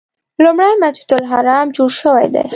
لومړی مسجد الحرام جوړ شوی دی.